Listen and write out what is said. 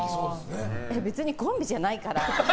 別にコンビじゃないから。